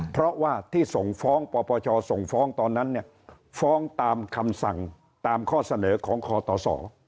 เพราะว่าที่ส่งฟ้องพปชตอนนั้นฟ้องตามคำสั่งตามข้อเสนอของคตศ